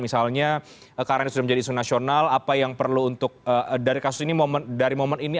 misalnya karena ini sudah menjadi isu nasional apa yang perlu untuk dari kasus ini dari momen ini